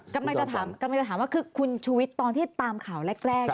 กำลังจะถามว่าคุณชูวิตตอนที่ตามข่าวแรก